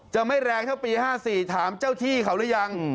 จะไม่แรงเท่าปี๕๔ถามเจ้าที่เขาหรือยัง